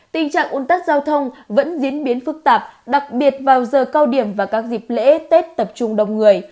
tình trạng un tắc giao thông vẫn diễn biến phức tạp đặc biệt vào giờ cao điểm và các dịp lễ tết tập trung đông người